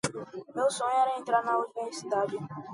Meu sonho era entrar na universidade